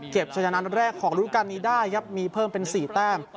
เก็บฉะหน้าแรกของรูปการณ์นี้ได้ครับมีเพิ่มเป็นสี่แต้ม